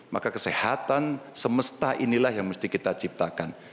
maka kesehatan semesta inilah yang mesti kita ciptakan